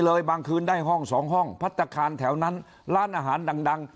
เลยบางคืนได้ห้อง๒ห้องผัศการแถวนั้นร้านอาหารดัง